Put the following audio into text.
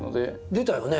出たよね。